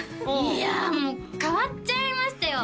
いやもう変わっちゃいましたよ